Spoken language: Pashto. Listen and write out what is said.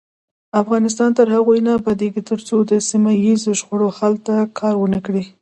افغانستان تر هغو نه ابادیږي، ترڅو د سیمه ییزو شخړو حل ته کار ونکړو.